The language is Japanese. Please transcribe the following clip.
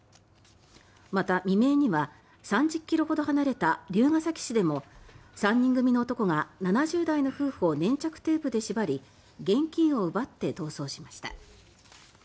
また、未明には３０ｋｍほど離れた龍ケ崎市でも３人組の男が７０代の夫婦を粘着テープで縛り現金を奪って逃走しました。